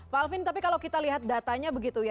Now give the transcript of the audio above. pak alvin tapi kalau kita lihat datanya begitu ya